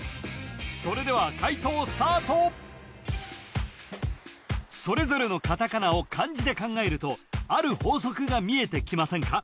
それでは解答スタートそれぞれのカタカナを漢字で考えるとある法則が見えてきませんか？